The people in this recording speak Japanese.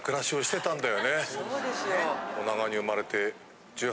そうですよ。